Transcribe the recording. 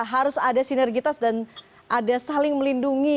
harus ada sinergitas dan ada saling melindungi